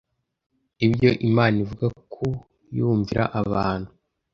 ibyo Imana ivuga ko yumvira abantu